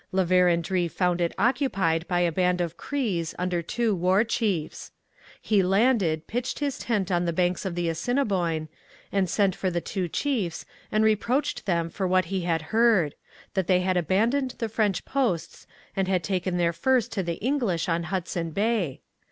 La Vérendrye found it occupied by a band of Crees under two war chiefs. He landed, pitched his tent on the banks of the Assiniboine, and sent for the two chiefs and reproached them with what he had heard that they had abandoned the French posts and had taken their furs to the English on Hudson Bay.